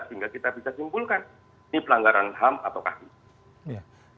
sehingga kita bisa simpulkan ini pelanggaran ham ataukah tidak